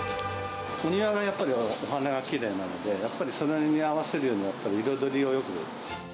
お庭がやっぱり、お花がきれいなので、やっぱりそれに合わせるように、やっぱり彩りをよく。